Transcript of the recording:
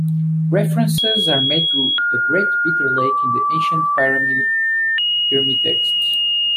References are made to the Great Bitter Lake in the ancient Pyramid Texts.